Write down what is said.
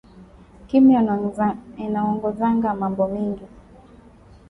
Kimya inaongozaka mambo mingi